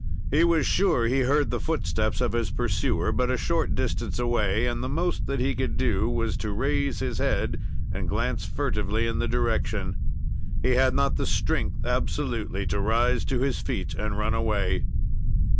He was sure he heard the footsteps of his pursuer but a short distance away, and the most that he could do was to raise his head and glance furtively in the direction. He had not the strength absolutely to rise to his feet and run away.